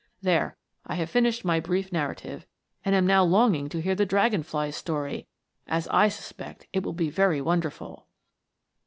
There, I have finished my brief narrative, and am now long ing to hear the dragon fly's story, as I suspect it will be very wonderful."